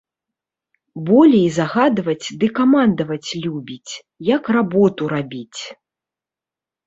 Болей загадваць ды камандаваць любіць, як работу рабіць.